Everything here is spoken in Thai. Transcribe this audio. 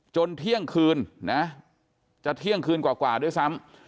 เที่ยงคืนนะจะเที่ยงคืนกว่าด้วยซ้ำ